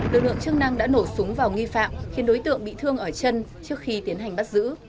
lực lượng chức năng đã nổ súng vào nghi phạm khiến đối tượng bị thương ở chân trước khi tiến hành bắt giữ